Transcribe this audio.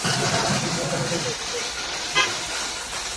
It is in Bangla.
কেননা জাদুকরগণও কিবতীদের অন্তর্ভুক্ত ছিলেন।